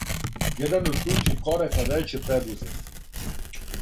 Један од кључних корака већ је предузет.